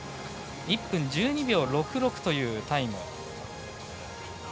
１分１２秒６６というタイム。